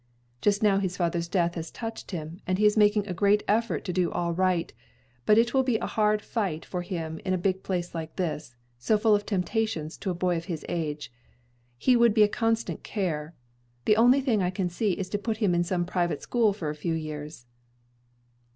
Just now his father's death has touched him, and he is making a great effort to do all right; but it will be a hard fight for him in a big place like this, so full of temptations to a boy of his age. He would be a constant care. The only thing I can see is to put him in some private school for a few years."